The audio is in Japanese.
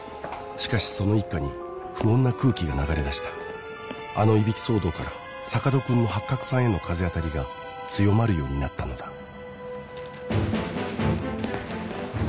しかしその一課に不穏な空気が流れ出したあのいびき騒動から坂戸君のハッカクさんへの風当たりが強まるようになったのだ